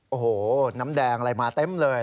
โอ้โหน้ำแดงอะไรมาเต็มเลย